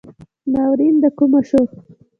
ناورین دکومه شو